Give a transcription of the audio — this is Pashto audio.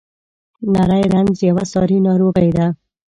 نری رنځ یوه ساري ناروغي ده.